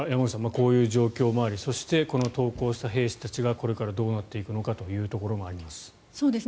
こういう状況もありそして、投降した兵士たちがこれからどうなっていくのかというところもあります。